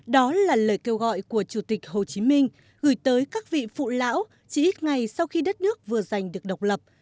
đó là lời kêu gọi của chủ tịch hồ chí minh gửi tới các vị phụ lão chỉ ít ngày sau khi đất nước vừa giành được độc lập